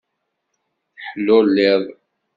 Teḥluliḍ.